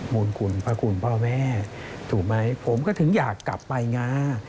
มูลคุณพระคุณพ่อแม่ถูกไหมผมก็ถึงอยากกลับไปไง